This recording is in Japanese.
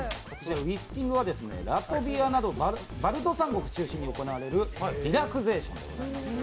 ウィスキングはラトビアなどバルト三国を中心に行われるリラクゼーションなんです。